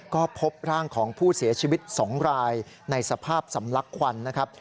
ก็พบร่างของผู้เสียชีวิต๒รายในสภาพสำลักควันนะครับ